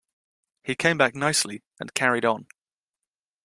He came back nicely and carried on.